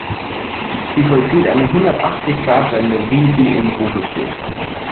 Sie vollzieht eine Hundertachzig-Grad-Wende, wie sie im Buche steht.